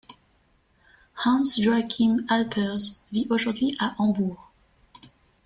Hans Joachim Alpers vit aujourd'hui à Hambourg.